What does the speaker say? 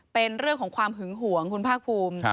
เป็นเรื่องของความหึงหวงคุณภาคภูมิ